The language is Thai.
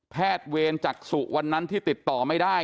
เวรจักษุวันนั้นที่ติดต่อไม่ได้